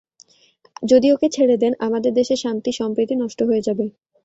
যদি ওকে ছেড়ে দেন, আমাদের দেশের শান্তি-সম্প্রীতি নষ্ট হয়ে যাবে।